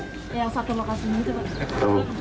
ya satu lokasi minggu itu